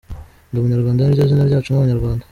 Ndi Umunyarwanda ni ryo zina ryacu nk’Abanyarwanda.